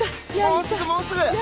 もうすぐもうすぐ！